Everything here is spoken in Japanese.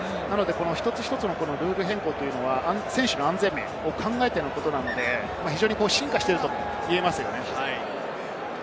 一つ一つのルール変更は選手の安全面を考えてのことなので、進化していると言えますよね。